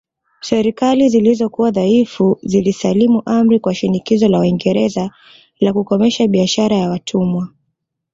Serikali zilizokuwa dhaifu zilisalimu amri kwa shinikizo la Waingereza la kukomesha biashara ya watumwa